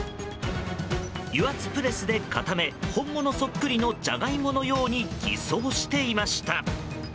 油圧プレスで固め本物そっくりのジャガイモのように偽装していました。